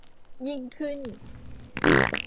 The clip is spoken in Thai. ยิ่งขึ้น